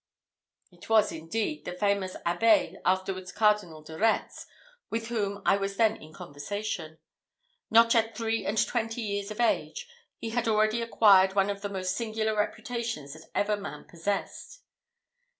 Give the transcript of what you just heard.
It was, indeed, the famous abbé, afterwards Cardinal de Retz, with whom I was then in conversation. Not yet three and twenty years of age, he had already acquired one of the most singular reputations that ever man possessed.